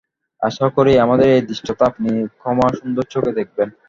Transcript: আশা করি আমাদের এই ধৃষ্টতা আপনি ক্ষমাসুন্দর চােখে দেখবেন।